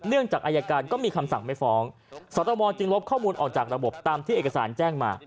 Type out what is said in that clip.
จากอายการก็มีคำสั่งไม่ฟ้องสตมจึงลบข้อมูลออกจากระบบตามที่เอกสารแจ้งมา